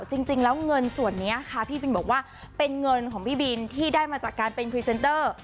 จริงแล้วเงินส่วนนี้ค่ะพี่บินบอกว่าเป็นเงินของพี่บินที่ได้มาจากการเป็นพรีเซนเตอร์